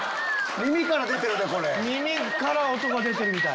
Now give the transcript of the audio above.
耳から音が出てるみたい。